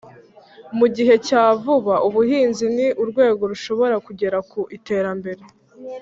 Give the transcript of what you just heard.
mu gihe cya vuba, ubuhinzi ni urwego rushobora kugera ku iterambere